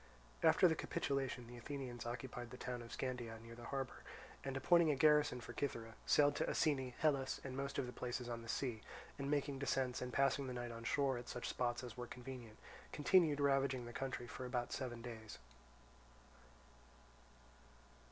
After the capitulation, the Athenians occupied the town of Scandea near the harbour, and appointing a garrison for Cythera, sailed to Asine, Helus, and most of the places on the sea, and making descents and passing the night on shore at such spots as were convenient, continued ravaging the country for about seven days.